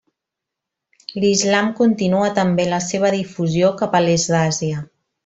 L'islam continua també la seva difusió cap a l'est d'Àsia.